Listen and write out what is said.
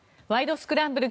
スクランブル」